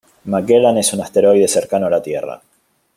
Magellan es un asteroide cercano a la Tierra.